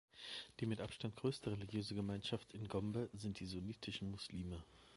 Die mit Abstand größte religiöse Gemeinschaft in Gombe sind die sunnitischen Muslime.